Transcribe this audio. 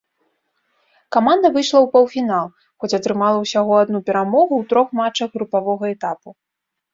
Каманда выйшла ў паўфінал, хоць атрымала ўсяго адну перамогу ў трох матчах групавога этапу.